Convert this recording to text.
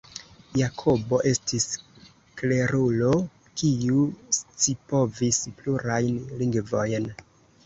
Jakobo estis klerulo kiu scipovis plurajn lingvojn.